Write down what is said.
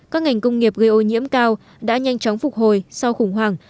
các ngành công nghiệp gây ô nhiễm cao đã nhanh chóng phục hồi sau khủng hoảng